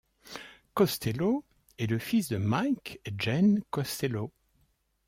Costello est le fils de Mike et Jen Costello.